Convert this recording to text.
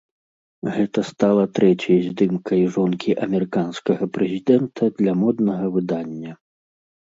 Гэта стала трэцяй здымкай жонкі амерыканскага прэзідэнта для моднага выдання.